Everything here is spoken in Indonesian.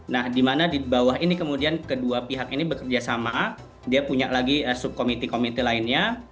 nah di mana di bawah ini kemudian kedua pihak ini bekerja sama dia punya lagi subkommittee komite lainnya